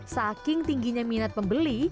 saking tingginya minat pembeli